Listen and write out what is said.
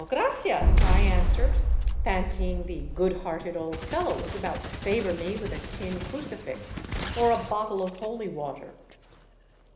Gracias," I answered, fancying the good hearted old l^kllow was about to favor me with a tin crucifix or a bottle of holy ^^Pater.